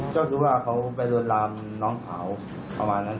เจ้าถือว่าเขาไปรวดลามน้องสาวประมาณนั้น